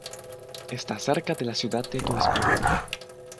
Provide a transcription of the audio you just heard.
Está cerca de la ciudad de Duisburgo.